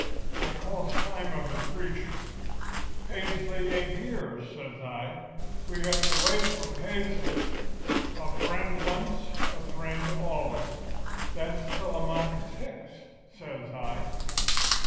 I calls time on the preacher. 'Paisley ain't here,' says I. 'We've got to wait for Paisley. A friend once, a friend always—that's Telemachus Hicks,' says I.